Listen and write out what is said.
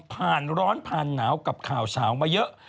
ร้อนผ่านหนาวกับข่าวเฉามาเยอะ